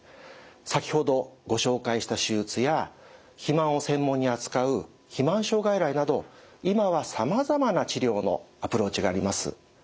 先ほどご紹介した手術や肥満を専門に扱う肥満症外来など今はさまざまな治療のアプローチがあります。